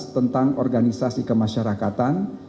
tentang organisasi kemasyarakatan